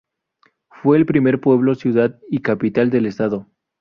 Fue el primer pueblo, ciudad y capital del estado.